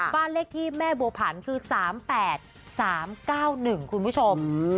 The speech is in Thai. บ้านเลขที่แม่บัวผันคือ๓๘๓๙๑คุณผู้ชม